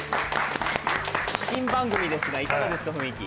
新番組ですが、いかがですか、雰囲気。